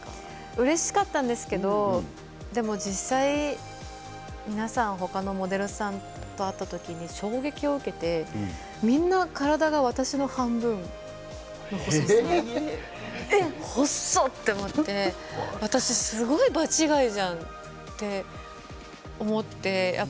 うれしかったんですけどでも実際に皆さん他のモデルさんと会った時に衝撃を受けてみんな体が私の半分で細！と思って私すごい場違いじゃんと思って。